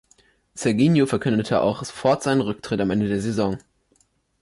Serginho verkündete auch sofort seinen Rücktritt am Ende der Saison.